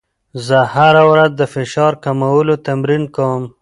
زه هره ورځ د فشار کمولو تمرین کوم.